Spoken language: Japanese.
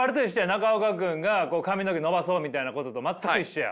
中岡君が髪の毛伸ばそうみたいなことと全く一緒や。